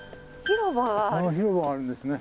広場があるんですね。